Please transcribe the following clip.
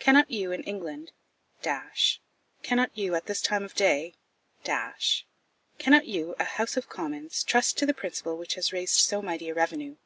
Cannot you, in England cannot you, at this time of day cannot you, a House of Commons, trust to the principle which has raised so mighty a revenue?